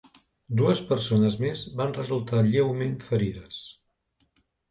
Dues persones més van resultar lleument ferides.